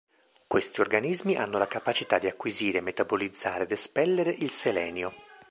Questi organismi hanno la capacità di acquisire, metabolizzare ed espellere il selenio.